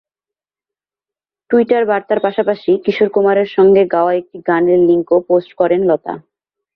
Twitter বার্তার পাশাপাশি কিশোর কুমারের সঙ্গে গাওয়া একটি গানের লিঙ্কও পোস্ট করেন লতা।